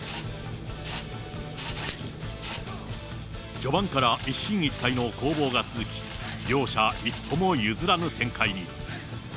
序盤から一進一退の攻防が続き、両者一歩も譲らぬ展開に。